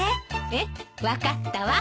ええ分かったわ。